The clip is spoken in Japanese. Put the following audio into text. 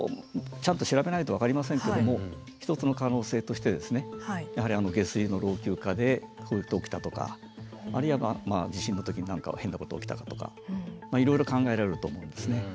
ちゃんと調べないと分かりませんけども一つの可能性としてやはり下水の老朽化でこういうこと起きたとかあるいは地震の時なんかは変なこと起きたかとかいろいろ考えられると思うんですね。